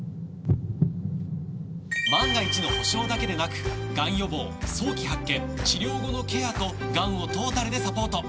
万が一の保障だけでなくがん予防早期発見治療後のケアとがんをトータルでサポート！